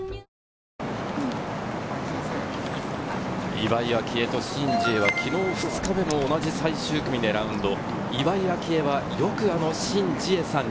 岩井明愛とシン・ジエは昨日２日目も同じ最終組でラウンド。